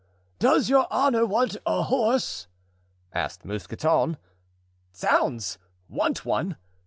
"Does your honor want a horse?" asked Mousqueton. "Zounds! want one!"